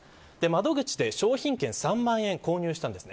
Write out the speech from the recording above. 窓口で商品券３万円を購入したんです。